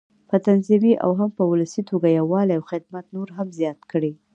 په تنظيمي او هم په ولسي توګه یووالی او خدمت نور هم زیات کړي.